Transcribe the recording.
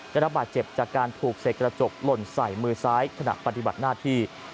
ได้รับบาดเจ็บจากการถูกเสกกระจกหล่นใส่มือซ้ายขณะปฏิบัติหน้าที่